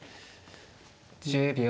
１０秒。